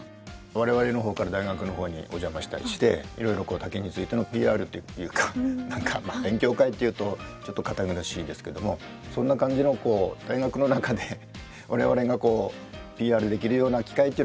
我々の方から大学の方にお邪魔したりしていろいろ竹についてのＰＲっていうか何か勉強会っていうとちょっと堅苦しいですけどもそんな感じのこう大学の中で我々がＰＲできるような機会というのはできるんですかね。